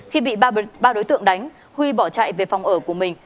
khi bị ba đối tượng đánh huy bỏ chạy về phòng ở của mình